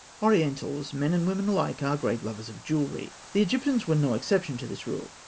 ] Orientals, men and women alike, are great lovers of jewellery. The Egyptians were no exception to this rule.